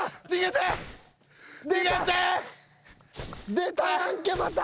出たやんけまた！